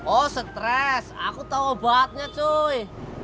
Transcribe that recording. oh stres aku tau obatnya cuy